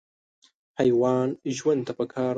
حیوان ژوند ته پکار دی.